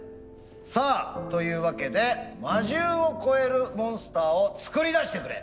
さあというわけで魔獣を超えるモンスターを作り出してくれ。